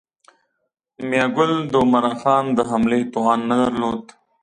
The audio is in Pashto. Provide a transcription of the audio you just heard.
میاګل د عمرا خان د حملې توان نه درلود.